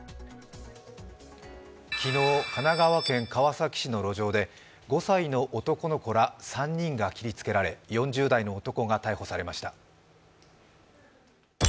昨日、神奈川県川崎市の路上で５歳の男の子ら３人が切りつけられ、４０代の男が逮捕されました。